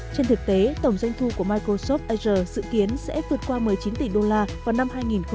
trên thực tế tổng doanh thu của microsoft azure dự kiến sẽ vượt qua một mươi chín tỷ đô la vào năm hai nghìn hai mươi